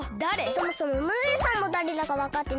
そもそもムールさんもだれだかわかってないんですけど。